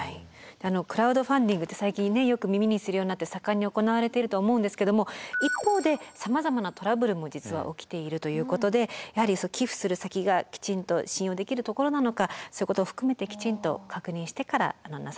クラウドファンディングって最近ねよく耳にするようになって盛んに行われているとは思うんですけども一方でさまざまなトラブルも実は起きているということでやはり寄付する先がきちんと信用できるところなのかそういうことを含めてきちんと確認してからなさってください。